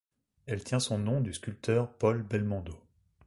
Elle tient son nom du sculpteur Paul Belmondo.